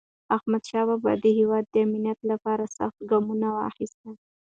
احمدشاه بابا د هیواد د امنیت لپاره سخت ګامونه واخیستل.